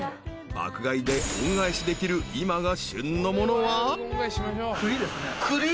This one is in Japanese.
［爆買いで恩返しできる今が旬のものは］クリ？